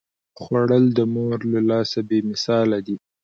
خوړل د مور له لاسه بې مثاله دي